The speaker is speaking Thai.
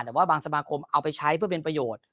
แต่ว่าบางสมาคมเอาไปใช้เพื่อเป็นประโยชน์